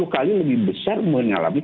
dua puluh kali lebih besar mengalami